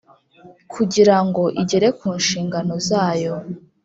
Kugira ngo igere ku nshingano zayo